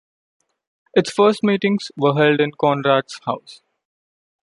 Its first meetings were held in Conrart's house.